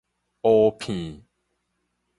烏片